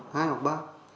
hai hoặc ba